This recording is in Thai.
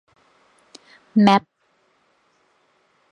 แมป